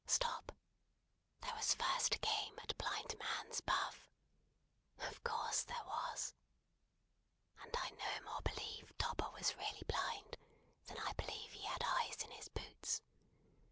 Stop! There was first a game at blind man's buff. Of course there was. And I no more believe Topper was really blind than I believe he had eyes in his boots.